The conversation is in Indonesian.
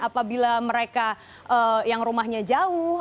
apabila mereka yang rumahnya jauh